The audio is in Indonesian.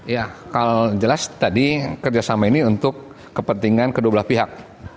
ya kalau jelas tadi kerjasama ini untuk kepentingan kedua belah pihak